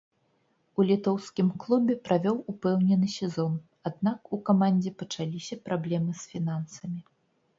У літоўскім клубе правёў упэўнены сезон, аднак у камандзе пачаліся праблемы з фінансамі.